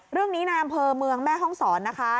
เรื่องนี้ในอำเภอเมืองแม่ฮ่องศรนะคะ